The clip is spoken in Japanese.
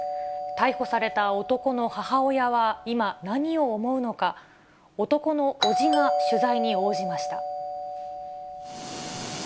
逮捕された男の母親は今、何を思うのか、男の伯父が取材に応じました。